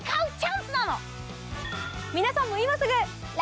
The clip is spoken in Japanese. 皆さんも今すぐ。